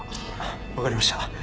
わかりました。